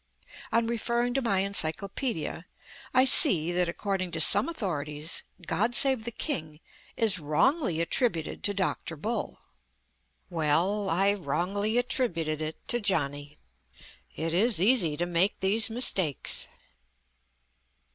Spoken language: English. On referring to my encyclopedia, I see that, according to some authorities, "God Save the King" is "wrongly attributed" to Dr. Bull. Well, I wrongly attributed it to Johnny. It is easy to make these mistakes.